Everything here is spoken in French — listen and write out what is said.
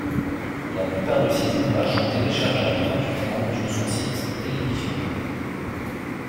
La plupart de ces ouvrages sont téléchargeables gratuitement sur son site Télévision.